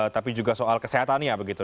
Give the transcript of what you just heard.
tapi juga soal kesehatannya begitu